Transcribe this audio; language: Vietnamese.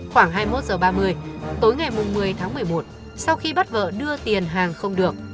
khoảng hai mươi một h ba mươi tối ngày một mươi tháng một mươi một sau khi bắt vợ đưa tiền hàng không được